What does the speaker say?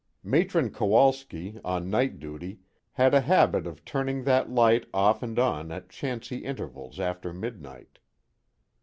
Matron Kowalski on night duty had a habit of turning that light off and on at chancy intervals after midnight.